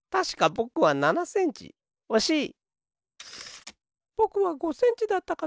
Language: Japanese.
ぼくは５センチだったかと。